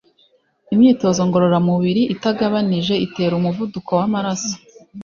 imyitozo ngororamubiri itagabanije itera umuvuduko w'amaraso